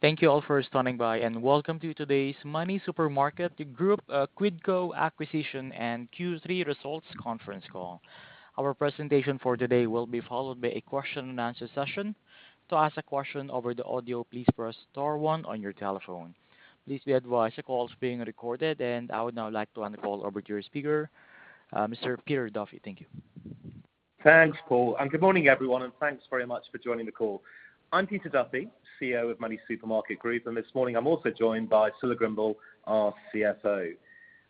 Thank you all for standing by, and welcome to today's MoneySuperMarket Group Quidco acquisition and Q3 results conference call. Our presentation for today will be followed by a question and answer session. To ask a question over the audio, please press star one on your telephone. Please be advised the call is being recorded, and I would now like to hand the call over to your speaker, Mr. Peter Duffy. Thank you. Thanks, Paul. Good morning, everyone. Thanks very much for joining the call. I'm Peter Duffy, CEO of MoneySuperMarket Group. This morning I'm also joined by Scilla Grimble, our CFO.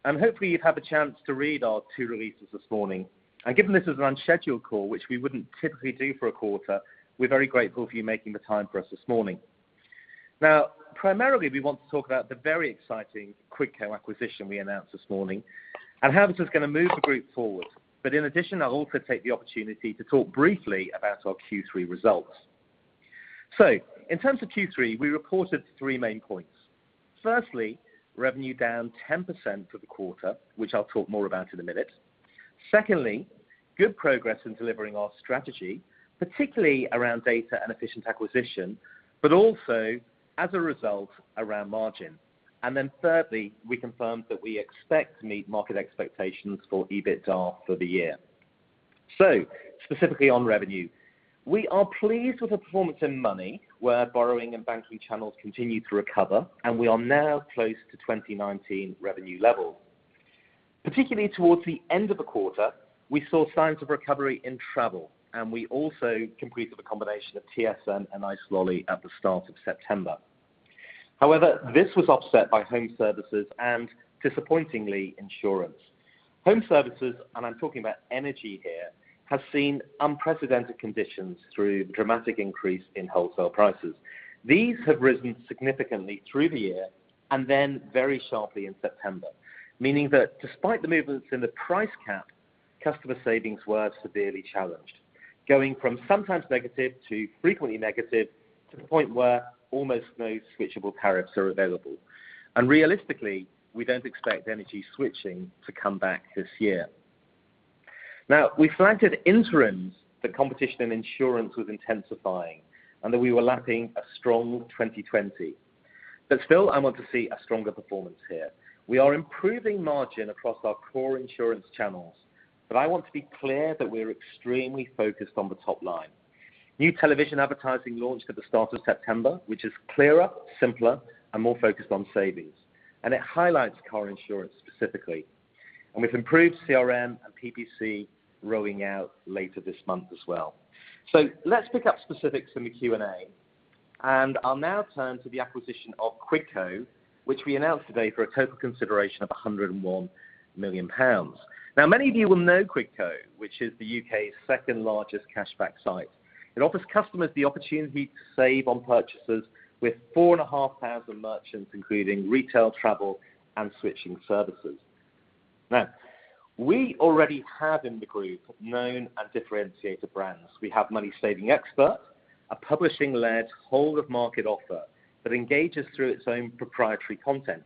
Hopefully you've had the chance to read our two releases this morning. Given this is an unscheduled call, which we wouldn't typically do for a quarter, we're very grateful for you making the time for us this morning. Now, primarily, we want to talk about the very exciting Quidco acquisition we announced this morning and how this is going to move the group forward. In addition, I'll also take the opportunity to talk briefly about our Q3 results. In terms of Q3, we reported three main points. Firstly, revenue down 10% for the quarter, which I'll talk more about in a minute. Secondly, good progress in delivering our strategy, particularly around data and efficient acquisition, but also as a result around margin. Thirdly, we confirmed that we expect to meet market expectations for EBITDA for the year. Specifically on revenue. We are pleased with the performeance in Money, where borrowing and banking channels continue to recover, and we are now close to 2019 revenue levels. Particularly towards the end of the quarter, we saw signs of recovery in travel, and we also completed the combination of TSN and Icelolly at the start of September. However this was offset by home services and, disappointingly, insurance. Home services, I'm talking about energy here, has seen unprecedented conditions through dramatic increase in wholesale prices. These have risen significantly through the year and then very sharply in September, meaning that despite the movements in the price cap, customer savings were severely challenged, going from sometimes negative to frequently negative, to the point where almost no switchable tariffs are available. Realistically, we don't expect energy switching to come back this year. Now, we flagged at interims the competition in insurance was intensifying and that we were lapping a strong 2020. Still, I want to see a stronger performance here. We are improving margin across our core insurance channels, but I want to be clear that we're extremely focused on the top line. New television advertising launched at the start of September, which is clearer, simpler, and more focused on savings, and it highlights car insurance specifically. With improved CRM and PPC rolling out later this month as well. Let's pick up specifics in the Q&A. I'll now turn to the acquisition of Quidco, which we announced today for a total consideration of 101 million pounds. Many of you will know Quidco, which is the U.K.'s second-largest cashback site. It offers customers the opportunity to save on purchases with 4,500 merchants, including retail, travel, and switching services. We already have in the group known and differentiator brands. We have MoneySavingExpert, a publishing-led whole of market offer that engages through its own proprietary content.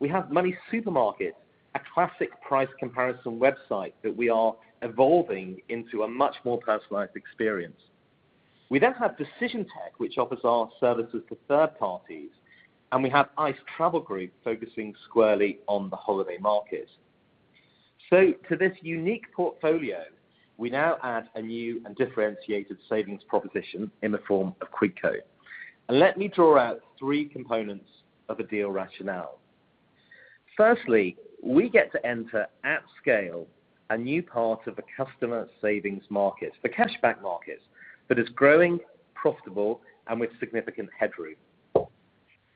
We have MoneySuperMarket, a classic price comparison website that we are evolving into a much more personalized experience. We have Decision Tech, which offers our services to third parties, and we have Ice Travel Group, focusing squarely on the holiday market. To this unique portfolio, we now add a new and differentiated savings proposition in the form of Quidco. Let me draw out three components of the deal rationale. Firstly, we get to enter, at scale, a new part of the customer savings market, the cashback market, that is growing, profitable, and with significant headroom.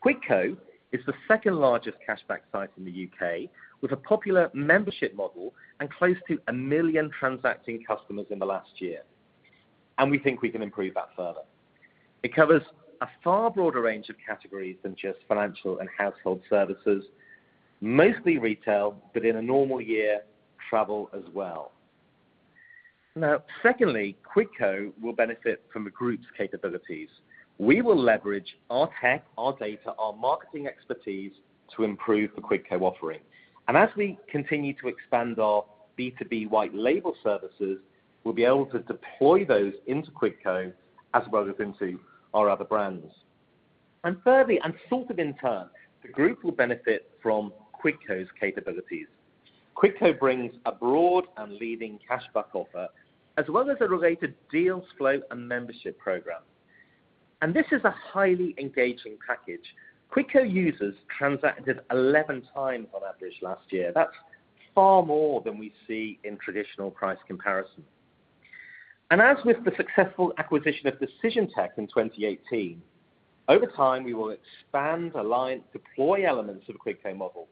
Quidco is the second-largest cashback site in the U.K. with a popular membership model and close to 1 million transacting customers in the last year. We think we can improve that further. It covers a far broader range of categories than just financial and household services, mostly retail, but in a normal year, travel as well. Secondly, Quidco will benefit from the group's capabilities. We will leverage our tech, our data, our marketing expertise to improve the Quidco offering. As we continue to expand our B2B white label services, we'll be able to deploy those into Quidco as well as into our other brands. Thirdly, and sort of in turn, the group will benefit from Quidco's capabilities. Quidco brings a broad and leading cashback offer, as well as a related deals flow and membership program. This is a highly engaging package. Quidco users transacted 11 times on average last year. That's far more than we see in traditional price comparison. As with the successful acquisition of Decision Tech in 2018, over time, we will expand, align, deploy elements of the Quidco model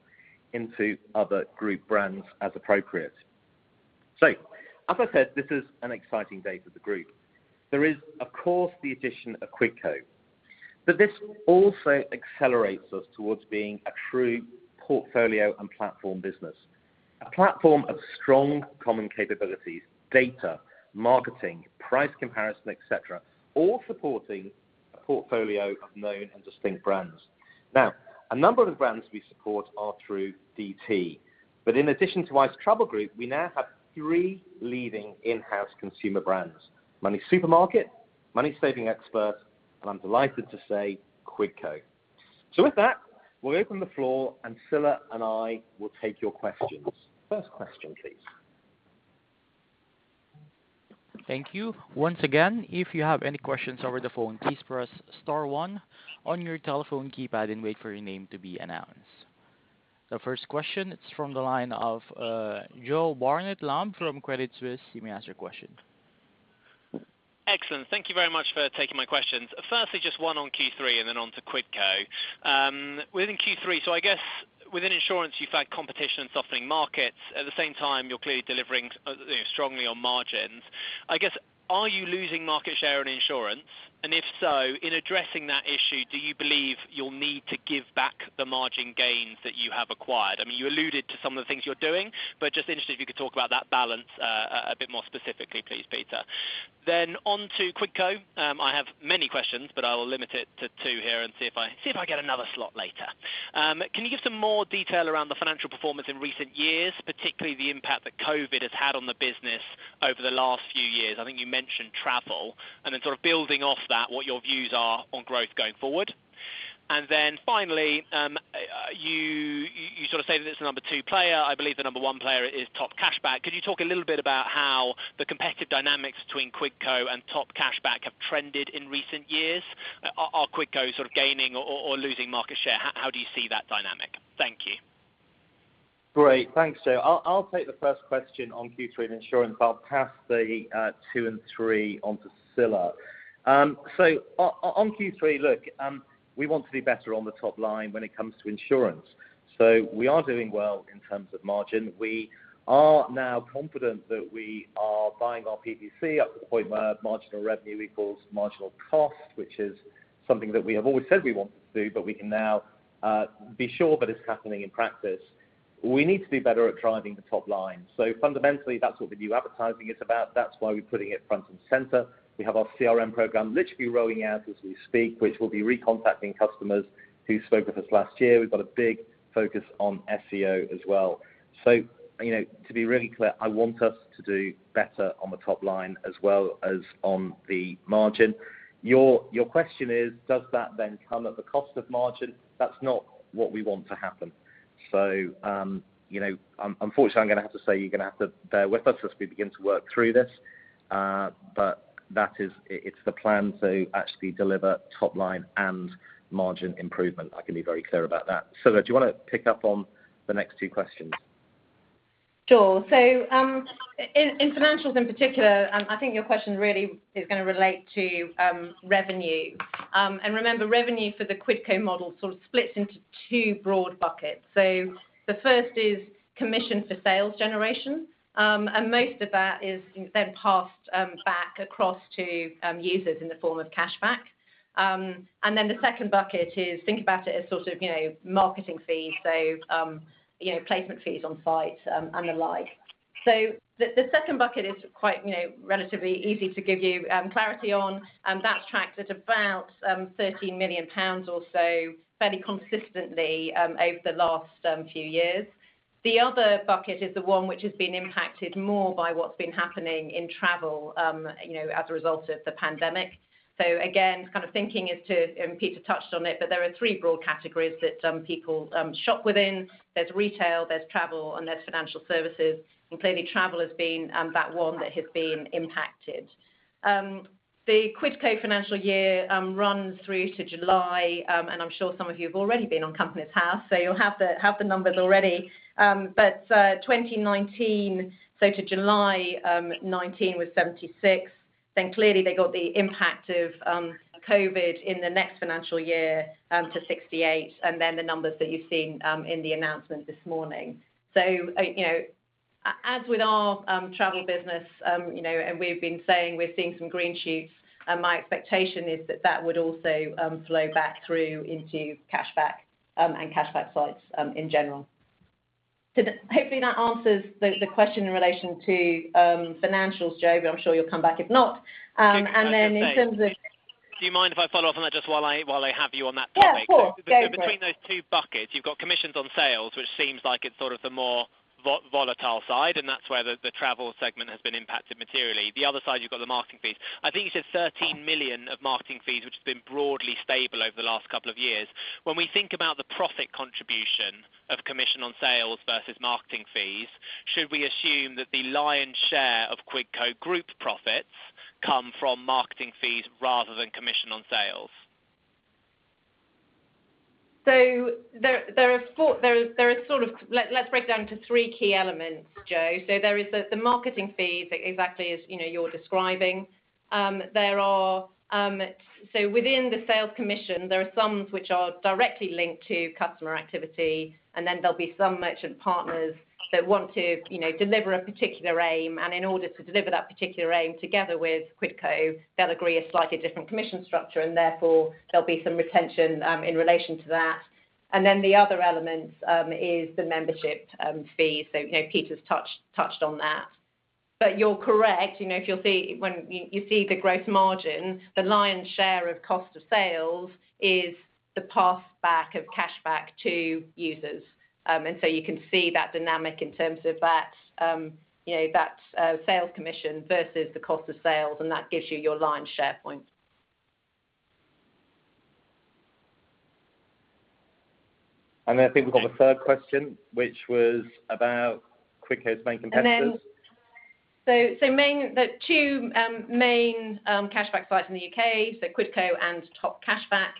into other group brands as appropriate. As I said, this is an exciting day for the group. There is, of course, the addition of Quidco, but this also accelerates us towards being a true portfolio and platform business. A platform of strong common capabilities, data, marketing, price comparison, et cetera, all supporting a portfolio of known and distinct brands. A number of the brands we support are through DT, but in addition to Ice Travel Group, we now have three leading in-house consumer brands, MoneySuperMarket, MoneySavingExpert, and I'm delighted to say, Quidco. With that, we'll open the floor and Scilla and I will take your questions. First question please. Thank you. The first question is from the line of Joe Barnet-Lamb from Credit Suisse. You may ask your question. Excellent. Thank you very much for taking my questions. Firstly, just one on Q3 and then onto Quidco. Within Q3, so I guess within insurance you've had competition softening markets. At the same time, you're clearly delivering strongly on margins. I guess, are you losing market share in insurance? If so, in addressing that issue, do you believe you'll need to give back the margin gains that you have acquired? You alluded to some of the things you're doing, just interested if you could talk about that balance a bit more specifically, please, Peter. Onto Quidco. I have many questions, I will limit it to two here and see if I get another slot later. Can you give some more detail around the financial performance in recent years, particularly the impact that COVID has had on the business over the last few years? I think you mentioned travel. Then sort of building off that, what your views are on growth going forward. Finally, you sort of say that it's the number two. I believe the number one player is TopCashback. Could you talk a little bit about how the competitive dynamics between Quidco and TopCashback have trended in recent years? Are Quidco sort of gaining or losing market share? How do you see that dynamic? Thank you. Great. Thanks, Joe. I'll take the first question on Q3 and insurance. I'll pass the two and three onto Scilla. On Q3, look, we want to do better on the top line when it comes to insurance. We are doing well in terms of margin. We are now confident that we are buying our PPC up to the point where marginal revenue equals marginal cost, which is something that we have always said we want to do. We can now be sure that it is happening in practice. We need to do better at driving the top line. Fundamentally, that is what the new advertising is about. That is why we are putting it front and center. We have our CRM program literally rolling out as we speak, which will be recontacting customers who spoke with us last year. We have got a big focus on SEO as well. To be really clear, I want us to do better on the top line as well as on the margin. Your question is, does that then come at the cost of margin? That's not what we want to happen. Unfortunately I'm going to have to say you're going to have to bear with us as we begin to work through this. It's the plan to actually deliver top line and margin improvement. I can be very clear about that. Scilla, do you want to pick up on the next two questions? Sure. In financials in particular, I think your question really is going to relate to revenue. Remember, revenue for the Quidco model sort of splits into two broad buckets. The first is commission for sales generation, and most of that is then passed back across to users in the form of cashback. Then the second bucket is, think about it as sort of marketing fees. Placement fees on site and the like. The second bucket is quite relatively easy to give you clarity on. That tracked at about 13 million pounds or so fairly consistently over the last few years. The other bucket is the one which has been impacted more by what's been happening in travel as a result of the pandemic. The kind of thinking is to, and Peter touched on it, but there are three broad categories that people shop within. There's retail, there's travel, and there's financial services. Clearly travel has been that one that has been impacted. The Quidco financial year runs through to July, and I'm sure some of you have already been on Companies House, so you'll have the numbers already. 2019, so to July 2019 was 76, then clearly they got the impact of COVID in the next financial year to 68, and then the numbers that you've seen in the announcement this morning. As with our travel business, and we've been saying we're seeing some green shoots, my expectation is that that would also flow back through into cashback, and cashback sites in general. Hopefully that answers the question in relation to financials, Joe, but I'm sure you'll come back if not. Then in terms of- Can I just say, do you mind if I follow up on that just while I have you on that topic? Yeah, of course. Go for it. Between those two buckets, you've got commissions on sales, which seems like it's sort of the more volatile side, and that's where the travel segment has been impacted materially. The other side, you've got the marketing fees. I think you said 13 million of marketing fees, which has been broadly stable over the last couple of years. When we think about the profit contribution of commission on sales versus marketing fees, should we assume that the lion's share of Quidco Group profits come from marketing fees rather than commission on sales? Let's break down to three key elements, Joe. There is the marketing fees, exactly as you're describing. Within the sales commission, there are some which are directly linked to customer activity, and then there'll be some merchant partners that want to deliver a particular aim. In order to deliver that particular aim together with Quidco, they'll agree a slightly different commission structure, and therefore there'll be some retention in relation to that. The other element is the membership fee. Peter's touched on that. But you're correct. When you see the growth margin, the lion's share of cost of sales is the passback of cashback to users. You can see that dynamic in terms of that sales commission versus the cost of sales, and that gives you your lion's share point. I think we've got the third question, which was about Quidco's main competitors. The two main cashback sites in the U.K., Quidco and TopCashback.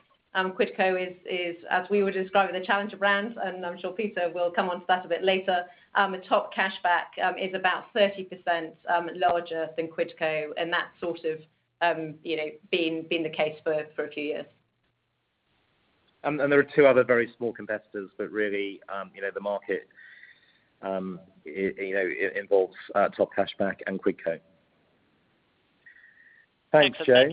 Quidco is, as we would describe it, a challenger brand, and I am sure Peter will come onto that a bit later. TopCashback is about 30% larger than Quidco, and that is sort of been the case for a few years. There are two other very small competitors, but really, the market involves TopCashback and Quidco. Thanks, Joe.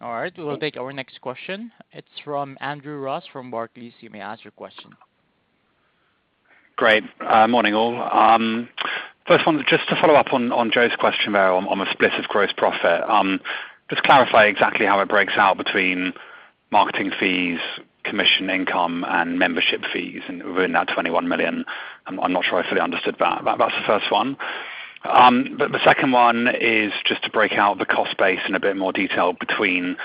All right, we'll take our next question. It is from Andrew Ross from Barclays. You may ask your question. Great. Morning, all. First one, just to follow up on Joe's question there on the split of gross profit. Just clarify exactly how it breaks out between marketing fees, commission income, and membership fees within that 21 million. I'm not sure I fully understood that. That's the first one. The second one is just to break out the cost base in a bit more detail between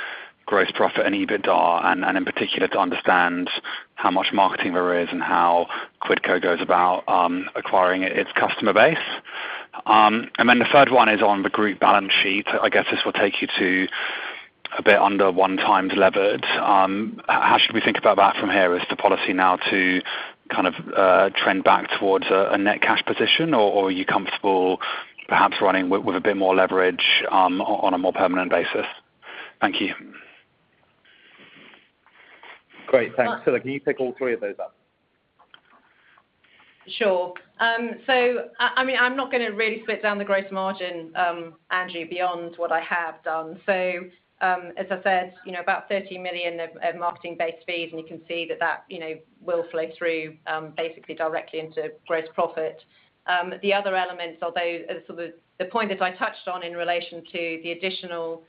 gross profit and EBITDA, and in particular, to understand how much marketing there is and how Quidco goes about acquiring its customer base. The third one is on the group balance sheet. I guess this will take you to a bit under 1x levered. How should we think about that from here? Is the policy now to kind of trend back towards a net cash position, or are you comfortable perhaps running with a bit more leverage on a more permanent basis? Thank you. Great. Thanks. Scilla, can you pick all three of those up? Sure. I'm not going to really split down the gross margin, Andy beyond what I have done. As I said, about 30 million of marketing-based fees, and you can see that will flow through basically directly into gross profit. The other elements, although the point as I touched on in relation to the additional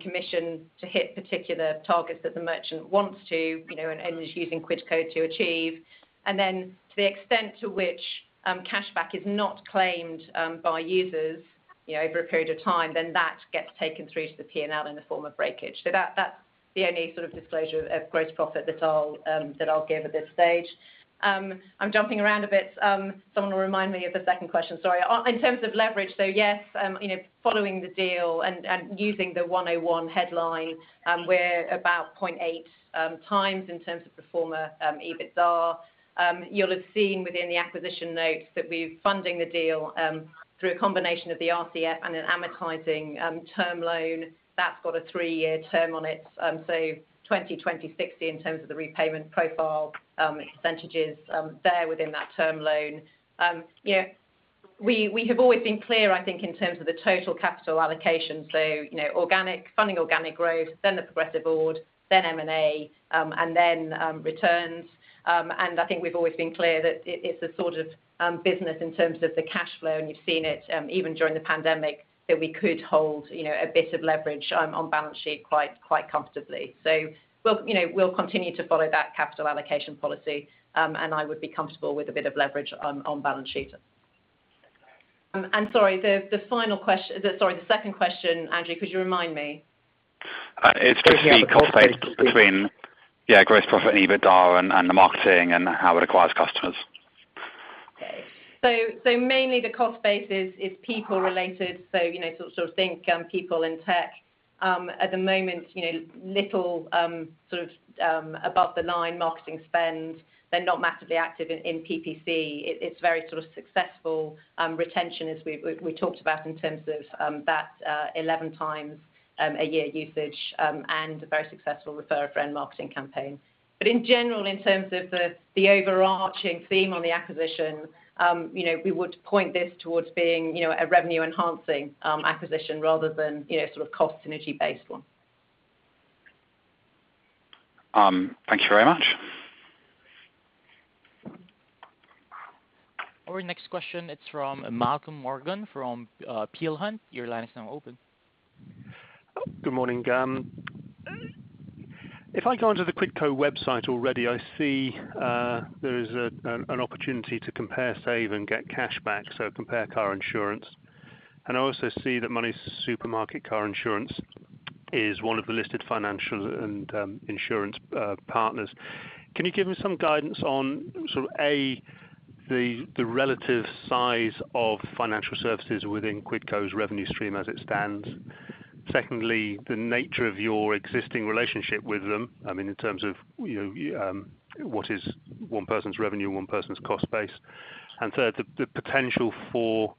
commission to hit particular targets that the merchant wants to, and is using Quidco to achieve. Then to the extent to which cashback is not claimed by users over a period of time, then that gets taken through to the P&L in the form of breakage. That's the only sort of disclosure of gross profit that I'll give at this stage. I'm jumping around a bit. Someone remind me of the second question, sorry. In terms of leverage, yes, following the deal and using the 101 headline, we're about 0.8x in terms of the former EBITDA. You'll have seen within the acquisition notes that we're funding the deal through a combination of the RCF and an amortizing term loan. That's got a three year term on it, so 2026 in terms of the repayment profile percentages there within that term loan. We have always been clear, I think, in terms of the total capital allocation. Funding organic growth, then the progressive board, then M&A, then returns. I think we've always been clear that it's the sort of business in terms of the cash flow, and you've seen it even during the pandemic, that we could hold a bit of leverage on balance sheet quite comfortably. We'll continue to follow that capital allocation policy, and I would be comfortable with a bit of leverage on balance sheet. Sorry, the second question, Andrew, could you remind me? It's breaking up the cost base between. Breaking up the cost base. Yeah, gross profit and EBITDA and the marketing and how it acquires customers. Mainly the cost base is people related, so sort of think people in tech. At the moment, little above the line marketing spend. They're not massively active in PPC. It's very sort of successful retention as we talked about in terms of that 11 times a year usage, and a very successful refer-a-friend marketing campaign. In general, in terms of the overarching theme on the acquisition, we would point this towards being a revenue-enhancing acquisition rather than a sort of cost synergy-based one. Thank you very much. Our next question, it's from Malcolm Morgan from Peel Hunt. Your line is now open. Good morning. If I go onto the Quidco website already, I see there is an opportunity to compare, save, and get cashback, so compare car insurance. I also see that MoneySuperMarket car insurance is one of the listed financial and insurance partners. Can you give me some guidance on, sort of A, the relative size of financial services within Quidco's revenue stream as it stands? Secondly, the nature of your existing relationship with them, I mean, in terms of what is one person's revenue, one person's cost base. Third, the potential for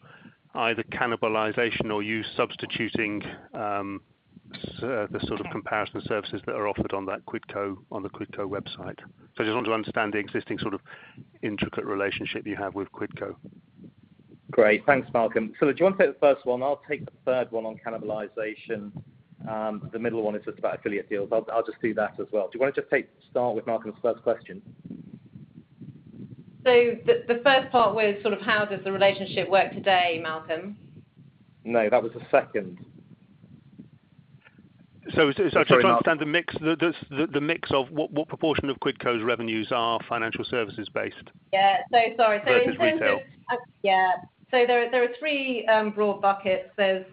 either cannibalization or you substituting the sort of comparison services that are offered on the Quidco website. I just want to understand the existing sort of intricate relationship you have with Quidco. Great. Thanks, Malcolm. Scilla, do you want to take the first one? I'll take the third one on cannibalization. The middle one is just about affiliate deals. I'll just do that as well. Do you want to just start with Malcolm's first question? The first part was sort of how does the relationship work today, Malcolm? No, that was the second. sorry, I just understand the mix of what proportion of Quidco's revenues are financial services based- Yeah. Sorry. Versus retail. Yeah. There are three broad buckets. There's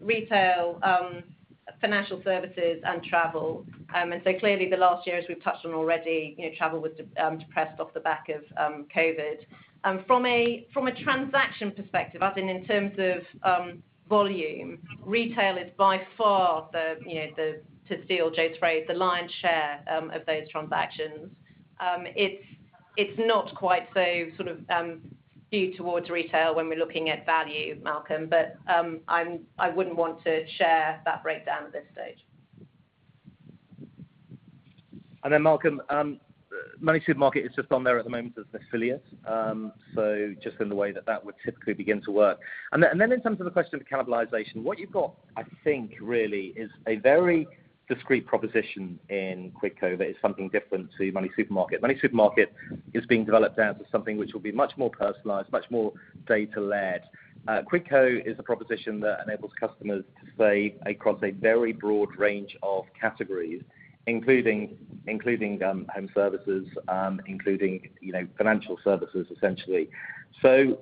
retail, financial services and travel. Clearly the last year, as we've touched on already, travel was depressed off the back of COVID. From a transaction perspective, as in terms of volume, retail is by far the, to steal Joe's phrase, the lion's share of those transactions. It's not quite so sort of skewed towards retail when we're looking at value, Malcolm, but I wouldn't want to share that breakdown at this stage. And Malcolm, MoneySuperMarket is just on there at the moment as an affiliate. Just in the way that that would typically begin to work. In terms of the question of cannibalization, what you've got, I think, really is a very discreet proposition in Quidco that is something different to MoneySuperMarket. MoneySuperMarket is being developed out as something which will be much more personalized, much more data led. Quidco is a proposition that enables customers to save across a very broad range of categories, including home services, including financial services, essentially.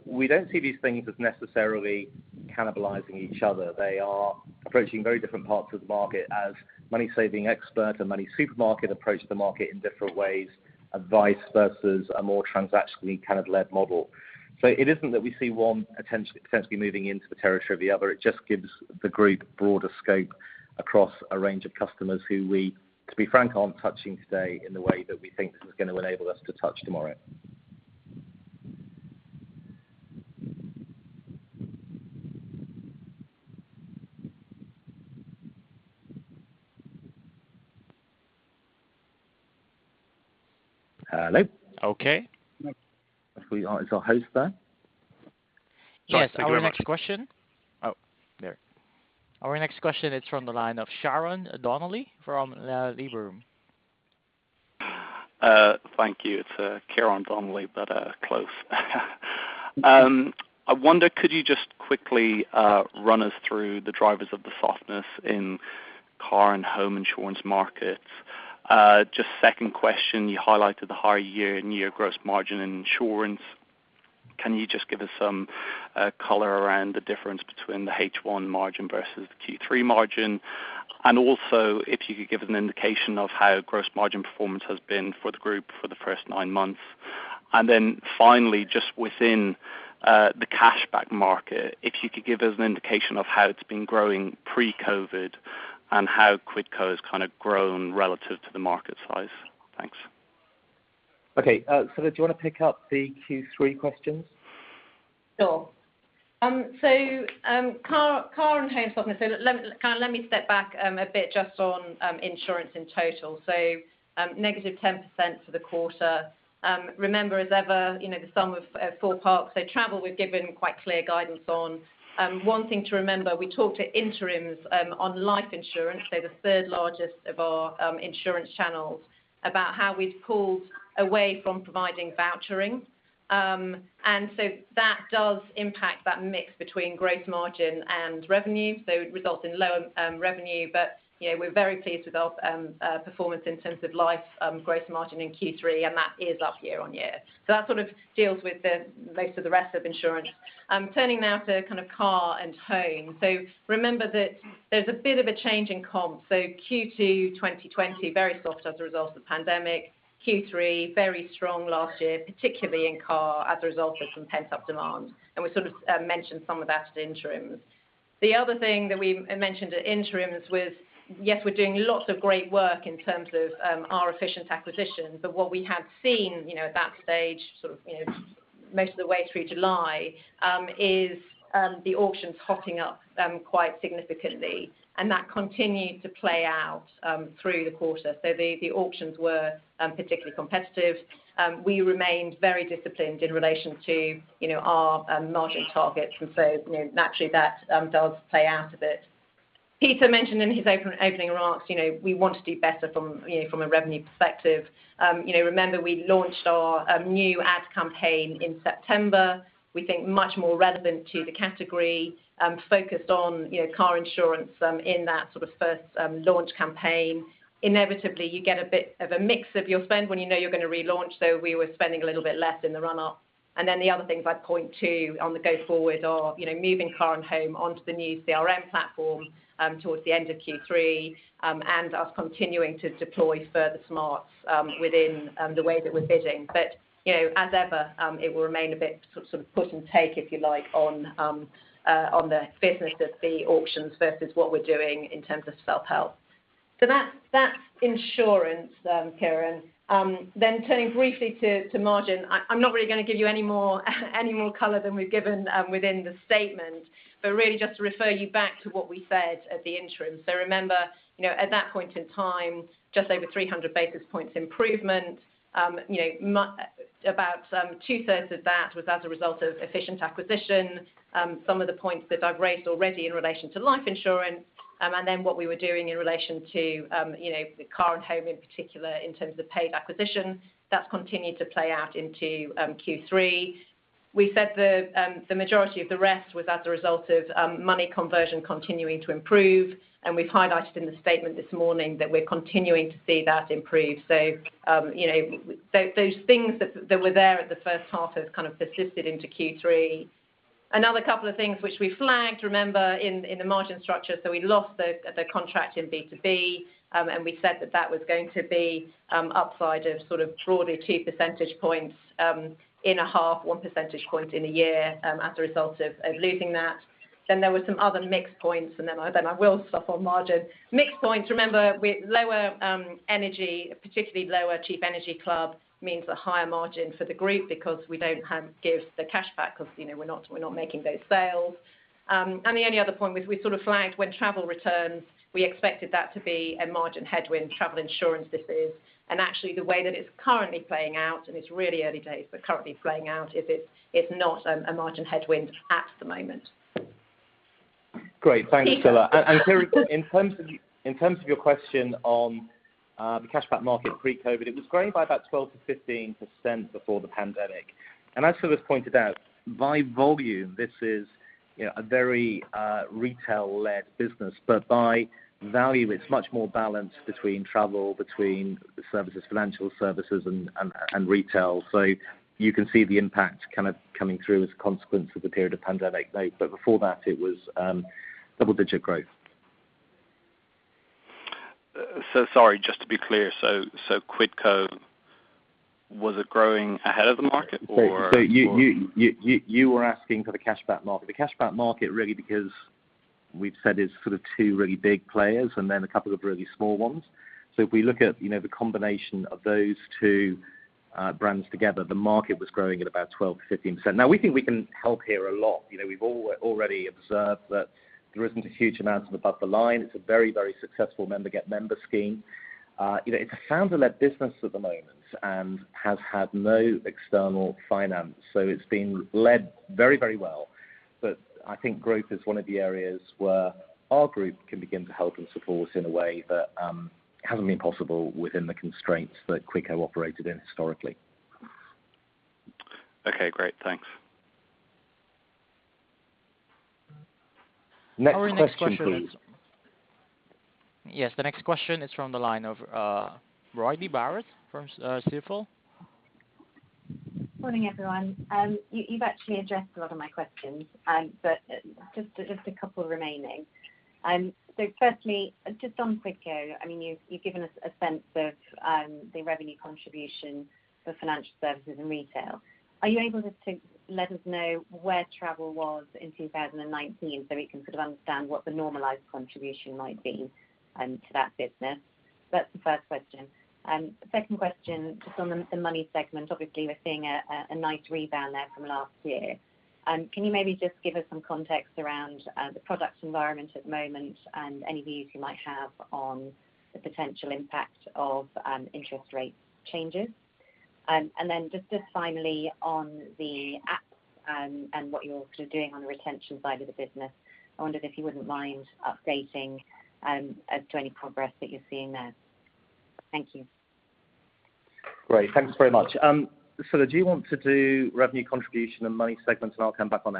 We don't see these things as necessarily cannibalizing each other. They are approaching very different parts of the market as MoneySavingExpert and MoneySuperMarket approach the market in different ways, advice versus a more transactionally kind of led model. It isn't that we see one potentially moving into the territory of the other. It just gives the group broader scope across a range of customers who we, to be frank, aren't touching today in the way that we think this is going to enable us to touch tomorrow. Hello. Okay. Is our host there? Yes. Our next question is from the line of Ciarán Donnelly from Liberum. Thank you. It's Ciarán Donnelly, but close. I wonder, could you just quickly run us through the drivers of the softness in car and home insurance markets? Just second question, you highlighted the higher year gross margin in insurance. Can you just give us some color around the difference between the H1 margin versus the Q3 margin? Also if you could give us an indication of how gross margin performance has been for the group for the first nine months. Then finally, just within the cashback market, if you could give us an indication of how it's been growing pre-COVID and how Quidco has kind of grown relative to the market size. Thanks. Okay. Scilla, do you want to pick up the Q3 questions? Sure. Car and home softness. Let me step back a bit just on insurance in total. -10% for the quarter. Remember as ever, the sum of four parts. Travel, we've given quite clear guidance on. One thing to remember, we talked at interims on life insurance. The third largest of our insurance channels, about how we've pulled away from providing vouchering. That does impact that mix between gross margin and revenue. It results in lower revenue. We're very pleased with our performance in terms of life gross margin in Q3, and that is up year-on-year. That sort of deals with most of the rest of insurance. Turning now to kind of car and home. Remember that there's a bit of a change in comp. Q2 2020, very soft as a result of the pandemic. Q3, very strong last year, particularly in car as a result of some pent-up demand. We sort of mentioned some of that at interims. The other thing that we mentioned at interims was, yes, we're doing lots of great work in terms of our efficient acquisition, but what we have seen at that stage, sort of most of the way through July, is the auctions hotting up quite significantly. That continued to play out through the quarter. The auctions were particularly competitive. We remained very disciplined in relation to our margin targets. Naturally that does play out a bit. Peter mentioned in his opening remarks we want to do better from a revenue perspective. Remember we launched our new ad campaign in September. We think much more relevant to the category, focused on car insurance in that sort of first launch campaign. Inevitably, you get a bit of a mix of your spend when you know you're going to relaunch, so we were spending a little bit less in the run up. The other things I'd point to on the go forward are moving car and home onto the new CRM platform towards the end of Q3, and us continuing to deploy further smarts within the way that we're bidding. As ever, it will remain a bit sort of push and take, if you like, on the business of the auctions versus what we're doing in terms of self-help. That's insurance, Ciarán. Turning briefly to margin, I'm not really going to give you any more color than we've given within the statement, but really just to refer you back to what we said at the interim. Remember, at that point in time, just over 300 basis points improvement. About 2/3 of that was as a result of efficient acquisition. Some of the points that I've raised already in relation to life insurance, and then what we were doing in relation to the car and home, in particular, in terms of paid acquisition. That's continued to play out into Q3. We said the majority of the rest was as a result of money conversion continuing to improve, and we've highlighted in the statement this morning that we're continuing to see that improve. Those things that were there at the first half have kind of persisted into Q3. Another couple of things which we flagged, remember, in the margin structure, so we lost the contract in B2B, and we said that that was going to be upside of sort of broadly 2 percentage points in a half, 1 percentage point in a year, as a result of losing that. There were some other mixed points, and then I will stop on margin. Mixed points, remember, with lower energy, particularly lower Cheap Energy Club means a higher margin for the group because we don't give the cashback because we're not making those sales. The only other point was we sort of flagged when travel returns, we expected that to be a margin headwind, travel insurance, this is. Actually, the way that it's currently playing out, and it's really early days, but currently playing out, is it's not a margin headwind at the moment. Great. Thanks, Scilla. Ciarán, in terms of your question on the cashback market pre-COVID, it was growing by about 12%-15% before the pandemic. As Scilla's pointed out, by volume, this is a very retail-led business. By value, it's much more balanced between travel, between the services, financial services, and retail. You can see the impact kind of coming through as a consequence of the period of pandemic. But before that, it was double-digit growth. Sorry, just to be clear. Quidco, was it growing ahead of the market? You were asking for the cashback market. The cashback market, really because we've said is sort of two really big players and then a couple of really small ones. If we look at the combination of those two brands together, the market was growing at about 12%-15%. Now we think we can help here a lot. We've already observed that there isn't a huge amount above the line. It's a very successful member-get-member scheme. It's a founder-led business at the moment and has had no external finance. It's been led very well, but I think growth is one of the areas where our group can begin to help and support in a way that hasn't been possible within the constraints that Quidco operated in historically. Okay, great. Thanks. Next question, please. Yes, the next question is from the line of Bridie Barrett from Stifel. Morning, everyone. You've actually addressed a lot of my questions, but just a couple remaining. Firstly, just on Quidco, you've given us a sense of the revenue contribution for financial services and retail. Are you able to let us know where travel was in 2019 so we can sort of understand what the normalized contribution might be to that business? That's the first question. The second question, just on the money segment. Obviously, we're seeing a nice rebound there from last year. Can you maybe just give us some context around the product environment at the moment and any views you might have on the potential impact of interest rate changes? Just finally on the app and what you're sort of doing on the retention side of the business, I wondered if you wouldn't mind updating as to any progress that you're seeing there. Thank you. Great. Thanks very much. Scilla, do you want to do revenue contribution and Money segment, and I'll come back on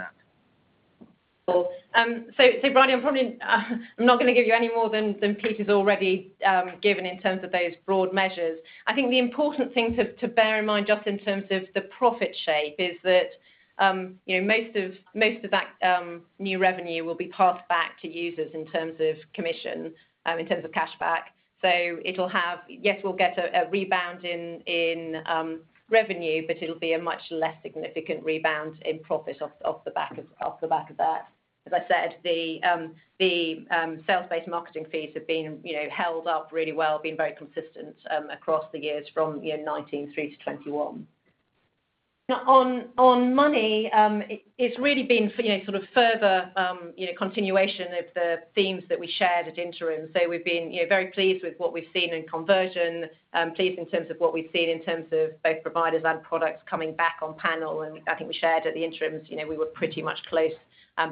the app? Sure. Bridie Barrett, I'm not going to give you any more than Peter's already given in terms of those broad measures. I think the important thing to bear in mind just in terms of the profit shape is that most of that new revenue will be passed back to users in terms of commission, in terms of cashback. Yes, we'll get a rebound in revenue, but it'll be a much less significant rebound in profit off the back of that. As I said, the sales-based marketing fees have held up really well, been very consistent across the years from 2019 through to 2021. On Money, it's really been sort of further continuation of the themes that we shared at interim. We've been very pleased with what we've seen in conversion. Pleased in terms of what we've seen in terms of both providers and products coming back on panel, I think we shared at the interims we were pretty much close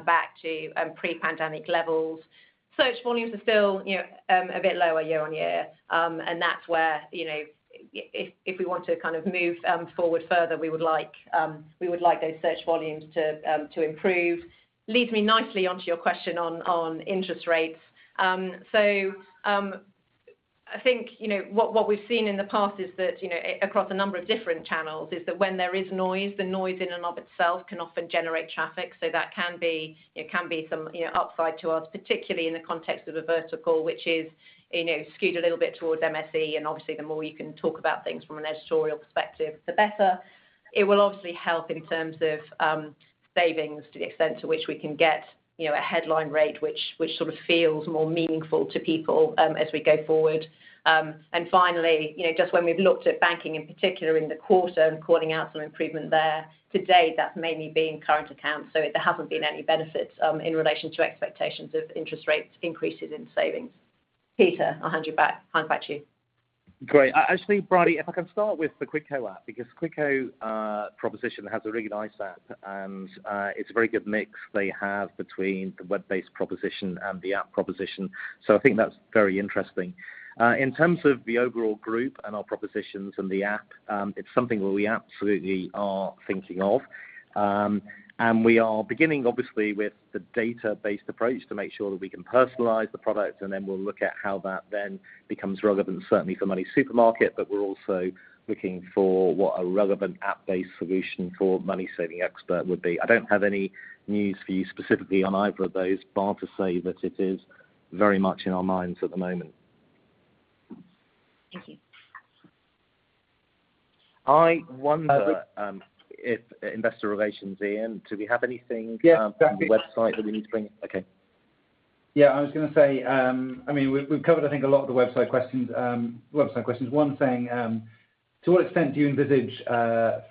back to pre-pandemic levels. Search volumes are still a bit lower year-on-year. That's where if we want to kind of move forward further, we would like those search volumes to improve. Leads me nicely onto your question on interest rates. I think what we've seen in the past is that across a number of different channels is that when there is noise, the noise in and of itself can often generate traffic. That can be some upside to us, particularly in the context of a vertical, which is skewed a little bit towards MSE, and obviously, the more you can talk about things from an editorial perspective, the better. It will obviously help in terms of savings to the extent to which we can get a headline rate which sort of feels more meaningful to people as we go forward. Finally, just when we've looked at banking in particular in the quarter and calling out some improvement there, to date, that's mainly been current accounts. There haven't been any benefits in relation to expectations of interest rates increases in savings. Peter, I'll hand back to you. Great. Actually, Bridie, if I can start with the Quidco app, because Quidco proposition has a really nice app, and it's a very good mix they have between the web-based proposition and the app proposition. I think that's very interesting. In terms of the overall group and our propositions and the app, it's something that we absolutely are thinking of. We are beginning, obviously, with the data-based approach to make sure that we can personalize the product, and then we'll look at how that then becomes relevant, certainly for MoneySuperMarket, but we're also looking for what a relevant app-based solution for MoneySavingExpert would be. I don't have any news for you specifically on either of those, bar to say that it is very much in our minds at the moment. Thank you. I wonder if investor relations, Ian, do we have anything? Yeah from the website that we need to bring? Okay. Yeah, I was going to say, we've covered, I think, a lot of the website questions. One saying, "To what extent do you envisage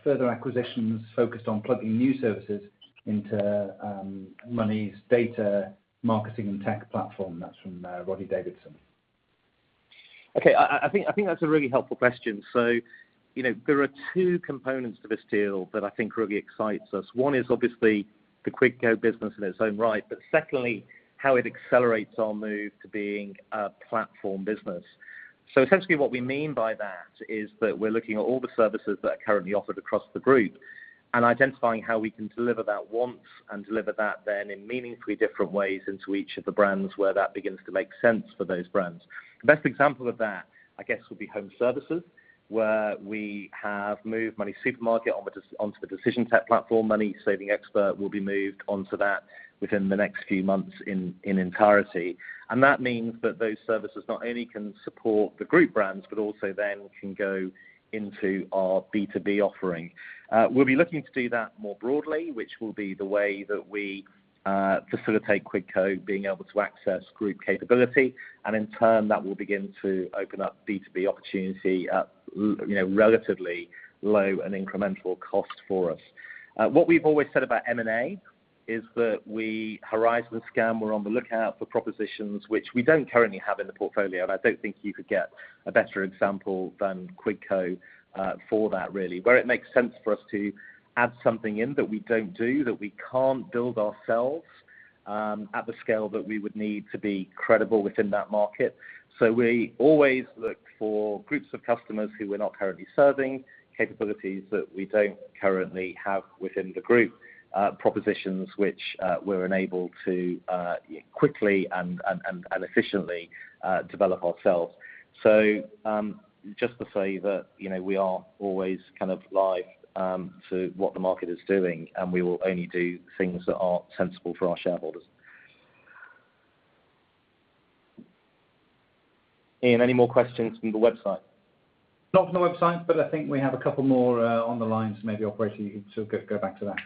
further acquisitions focused on plugging new services into MoneySuperMarket's data, marketing, and tech platform?" That's from Rodney Davidson. Okay. I think that's a really helpful question. There are two components to this deal that I think really excites us. One is obviously the Quidco business in its own right, but secondly, how it accelerates our move to being a platform business. Essentially what we mean by that is that we're looking at all the services that are currently offered across the group, and identifying how we can deliver that once and deliver that then in meaningfully different ways into each of the brands where that begins to make sense for those brands. The best example of that, I guess, would be home services, where we have moved MoneySuperMarket onto the Decision Tech platform. MoneySavingExpert will be moved onto that within the next few months in entirety. That means that those services not only can support the group brands, but also then can go into our B2B offering. We'll be looking to do that more broadly, which will be the way that we facilitate Quidco being able to access group capability, and in turn, that will begin to open up B2B opportunity at relatively low and incremental cost for us. What we've always said about M&A is that we horizon scan. We're on the lookout for propositions which we don't currently have in the portfolio, and I don't think you could get a better example than Quidco for that, really. Where it makes sense for us to add something in that we don't do, that we can't build ourselves, at the scale that we would need to be credible within that market. We always look for groups of customers who we're not currently serving, capabilities that we don't currently have within the group, propositions which we're unable to quickly and efficiently develop ourselves. Just to say that we are always live to what the market is doing, and we will only do things that are sensible for our shareholders. Ian, any more questions from the website? Not from the website, but I think we have a couple more on the line, so maybe operator you can go back to that.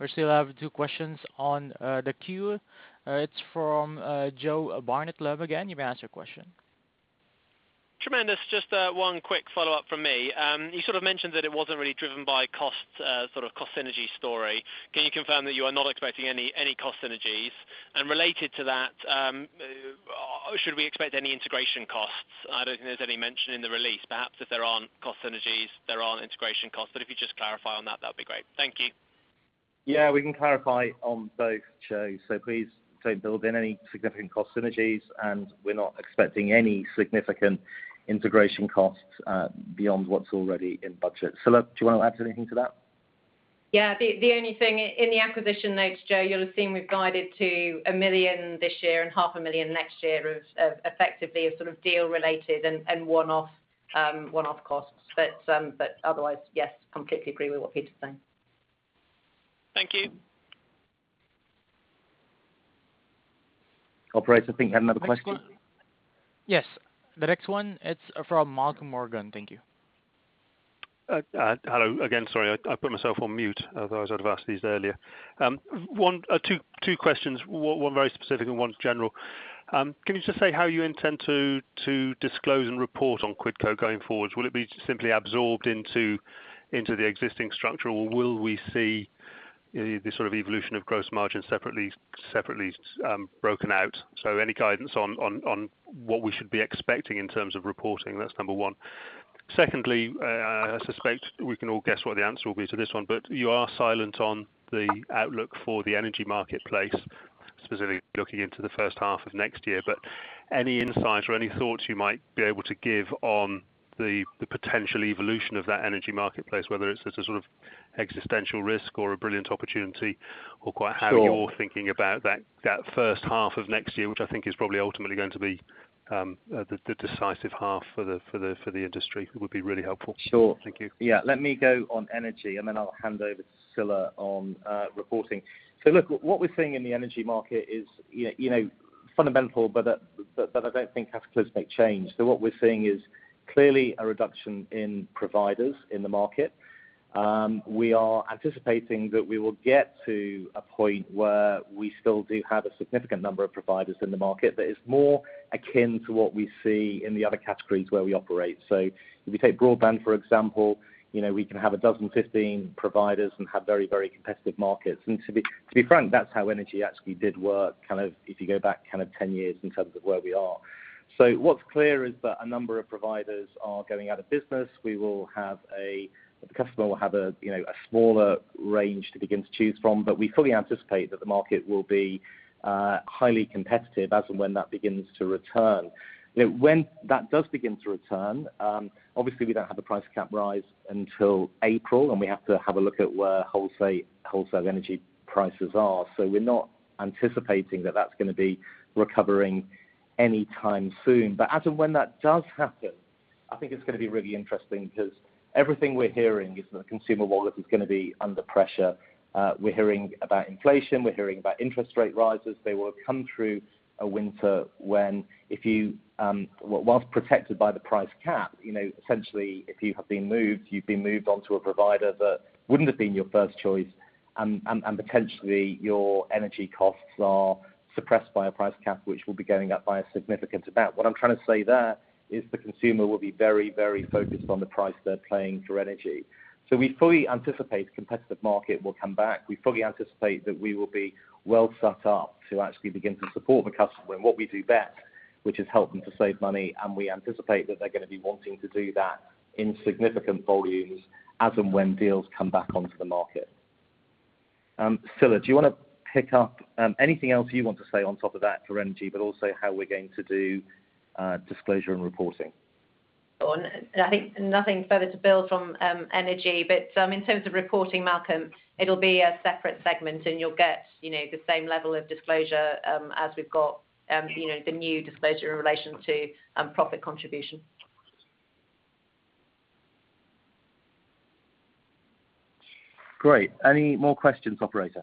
We still have two questions on the queue. It is from Joe Barnet-Lamb again. You may ask your question. Tremendous. Just one quick follow-up from me. You sort of mentioned that it wasn't really driven by cost synergy story. Can you confirm that you are not expecting any cost synergies? Related to that, should we expect any integration costs? I don't think there's any mention in the release. Perhaps if there aren't cost synergies, there aren't integration costs. If you just clarify on that would be great. Thank you. Yeah, we can clarify on both, Joe. Please don't build in any significant cost synergies, and we're not expecting any significant integration costs beyond what's already in budget. Scilla, do you want to add anything to that? Yeah. The only thing in the acquisition notes, Joe, you'll have seen we've guided to 1 million this year and half a million GBP next year of effectively a sort of deal-related and one-off costs. Otherwise, yes, completely agree with what Peter's saying. Thank you. Operator, I think he had another question. Next question. Yes. The next one, it's from Malcolm Morgan. Thank you. Hello again. Sorry, I put myself on mute. Otherwise, I'd have asked these earlier. Two questions, one very specific and one general. Can you just say how you intend to disclose and report on Quidco going forward? Will it be simply absorbed into the existing structure, or will we see the sort of evolution of gross margin separately broken out? Any guidance on what we should be expecting in terms of reporting? That's number one. Secondly, I suspect we can all guess what the answer will be to this one. You are silent on the outlook for the energy marketplace, specifically looking into the first half of next year. Any insights or any thoughts you might be able to give on the potential evolution of that energy marketplace, whether it's as a sort of existential risk or a brilliant opportunity, or quite how. Sure You're thinking about that first half of next year, which I think is probably ultimately going to be the decisive half for the industry, would be really helpful. Sure. Thank you. Let me go on energy, and then I'll hand over to Scilla on reporting. Look, what we're seeing in the energy market is fundamental, but I don't think cataclysmic change. What we're seeing is clearly a reduction in providers in the market. We are anticipating that we will get to a point where. We still do have a significant number of providers in the market that is more akin to what we see in the other categories where we operate. If we take broadband, for example, we can have a dozen, 15 providers and have very competitive markets. To be frank, that's how energy actually did work, if you go back 10 years in terms of where we are. What's clear is that a number of providers are going out of business. The customer will have a smaller range to begin to choose from. We fully anticipate that the market will be highly competitive as and when that begins to return. When that does begin to return, obviously we don't have the price cap rise until April, and we have to have a look at where wholesale energy prices are. We're not anticipating that that's going to be recovering any time soon. As and when that does happen, I think it's going to be really interesting because everything we're hearing is that the consumer wallet is going to be under pressure. We're hearing about inflation. We're hearing about interest rate rises. They will have come through a winter when, whilst protected by the price cap, essentially if you have been moved, you've been moved onto a provider that wouldn't have been your first choice, and potentially your energy costs are suppressed by a price cap, which will be going up by a significant amount. What I'm trying to say there is the consumer will be very focused on the price they're paying for energy. We fully anticipate the competitive market will come back. We fully anticipate that we will be well set up to actually begin to support the customer in what we do best, which is help them to save money, and we anticipate that they're going to be wanting to do that in significant volumes as and when deals come back onto the market. Scilla, do you want to pick up anything else you want to say on top of that for energy, but also how we're going to do disclosure and reporting? Sure. I think nothing further to build from energy. In terms of reporting, Malcolm, it'll be a separate segment and you'll get the same level of disclosure as we've got the new disclosure in relation to profit contribution. Great. Any more questions, operator?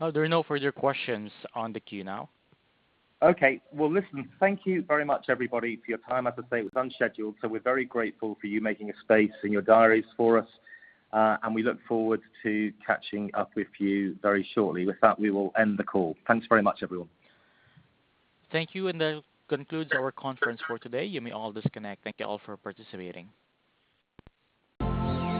No, there are no further questions on the queue now. Okay. Well, listen, thank you very much, everybody, for your time. As I say, it was unscheduled, so we're very grateful for you making a space in your diaries for us. We look forward to catching up with you very shortly. With that, we will end the call. Thanks very much, everyone. Thank you. That concludes our conference for today. You may all disconnect. Thank you all for participating.